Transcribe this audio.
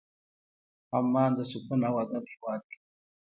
عمان د سکون او ادب هېواد دی.